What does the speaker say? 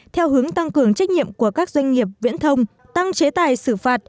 theo hướng tăng cường trách nhiệm của các doanh nghiệp viễn thông tăng chế tài xử phạt